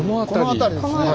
この辺りですね。